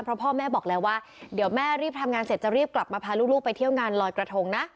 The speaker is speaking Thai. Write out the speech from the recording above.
เพราะพ่อแม่บอกแล้วว่าเดี๋ยวแม่รีบทำงานเสร็จจะรีบกลับมาพาลูกไปเที่ยวงานลอยกระทงนะ